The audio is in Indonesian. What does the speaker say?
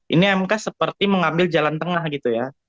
ini mk seperti mengambil jalan tengah gitu ya